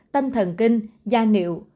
tâm thần kinh da nịu